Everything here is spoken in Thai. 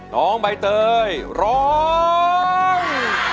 น้องใบเตยร้อง